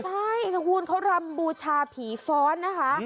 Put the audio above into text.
ใช่ตระกูลเขารำบูชาผีฟ้อนนะคะ